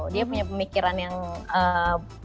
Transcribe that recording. dia punya pemikiran yang eee